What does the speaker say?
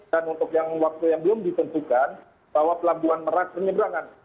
dan untuk yang waktu yang belum ditentukan bahwa pelabuhan merah ini berangan